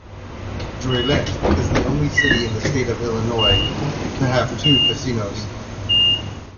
Joliet is the only city in the State of Illinois to have two casinos.